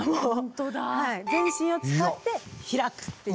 全身を使って開くっていう。